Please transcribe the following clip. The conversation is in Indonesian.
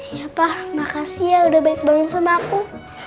iya pa makasih ya udah baik banget sama aku